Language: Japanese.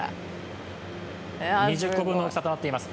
２０個分の大きさとなっています。